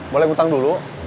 boleh ngutang dulu